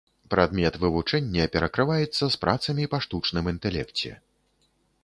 Прадмет вывучэння перакрываецца з працамі па штучным інтэлекце.